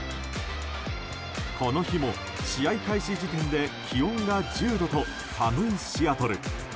この日も試合開始時点で気温が１０度と寒いシアトル。